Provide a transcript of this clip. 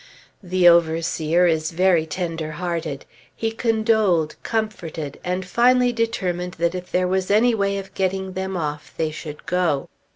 The overseer is very tender hearted; he condoled, comforted, and finally determined that if there was any way of getting them off, they should go.